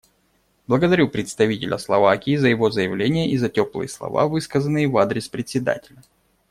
Благодарю представителя Словакии за его заявление и за теплые слова, высказанные в адрес Председателя.